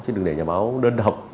chứ đừng để nhà báo đơn độc